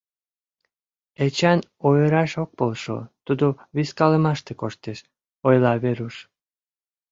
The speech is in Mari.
Эчан ойыраш ок полшо, тудо вискалымаште коштеш, — ойла Веруш.